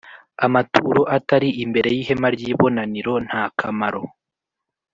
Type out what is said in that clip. Amaturo atari imbere y‘Ihema ry’ibonaniro nta kamaro.